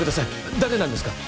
誰なんですか？